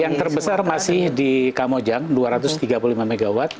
yang terbesar masih di kamojang dua ratus tiga puluh lima mw